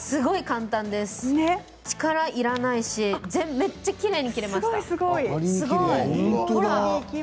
力がいらないしめっちゃきれいに切れました。